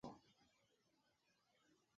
自从那事件后